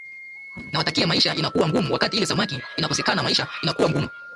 na wakati maisha inakuwa ngumu wakati ile samaki inakosekana maisha inakuwa ngumu